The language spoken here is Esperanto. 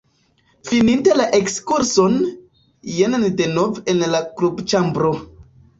Fininte la ekskurson, jen ni denove en la klubĉambro.